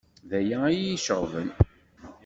D aya iyi-iceɣben.